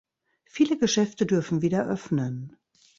Viele Geschäfte dürfen wieder öffnen.